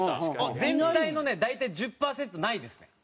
全体のね大体１０パーセントないですね。